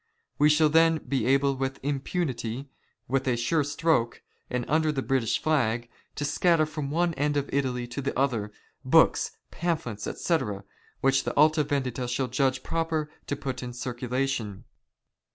We shall " then be able with impunity, with a sure stroke, and under the " British flag, to scatter from one end of Italy to the other, books, "pamphlets, etc., which the Alta Vendita shall judge proper '' to put in circulation."